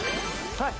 はい。